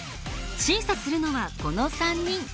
審査するのはこの３人。